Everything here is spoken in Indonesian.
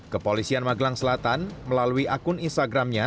kepolisian magelang selatan melalui akun instagramnya